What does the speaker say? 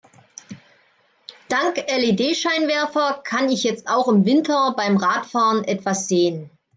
Dank LED-Scheinwerfer kann ich jetzt auch im Winter beim Radfahren etwas sehen.